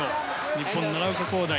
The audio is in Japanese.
日本、奈良岡功大。